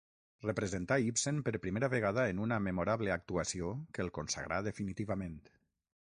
Representà Ibsen per primera vegada en una memorable actuació que el consagrà definitivament.